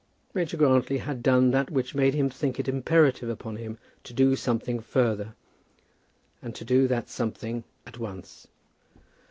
Major Grantly had done that which made him think it imperative upon him to do something further, and to do that something at once.